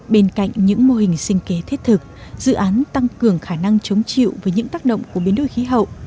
bên cạnh những mô hình sinh kế thiết thực dự án tăng cường khả năng chống chịu với những tác động của biến đổi khí hậu